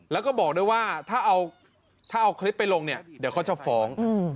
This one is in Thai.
แล้วก็บอกด้วยว่าถ้าเอาคลิปไปลงเนี่ยเดี๋ยวเขาจะฟ้อง